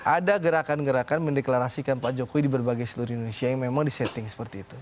ada gerakan gerakan mendeklarasikan pak jokowi di berbagai seluruh indonesia yang memang di setting seperti itu